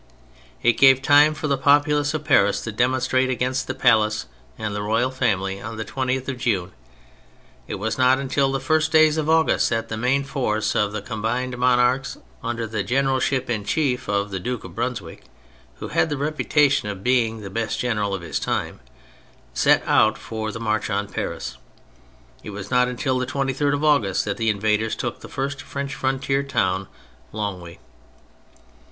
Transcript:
It gave time for the populace of Paris to demonstrate against the palace and the royal family on the 20th of June. It was not until the first days of August that the main force of the combined monarchs, under the generalship in chief of the Duke of Brunswick (who had the reputa tion of being the best general of his time), set out for the march on Paris. It was not until the 23rd of August that the invaders took the first French frontier town, Longwy.